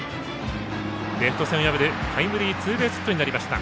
レフト線を破るタイムリーツーベースヒット。